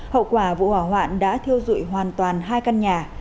hậu quả vụ hỏa hoạn đã thiêu dụi hoàn toàn hai căn nhà